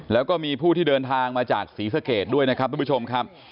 แล้วก็มีผู้ที่เดินทางมาจากศรีสะเกดด้วยนะครับทุกผู้ชมครับ